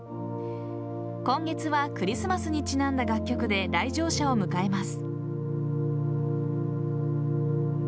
今月はクリスマスにちなんだ楽曲で来場者を迎えます。